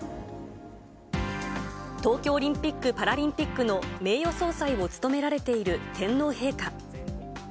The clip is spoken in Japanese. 東京オリンピック・パラリンピックの名誉総裁を務められている天皇陛下。